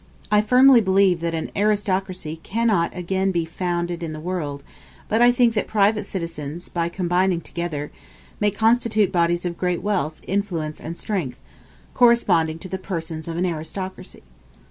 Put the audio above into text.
I firmly believe that an aristocracy cannot again be founded in the world; but I think that private citizens, by combining together, may constitute bodies of great wealth, influence, and strength, corresponding to the persons of an aristocracy.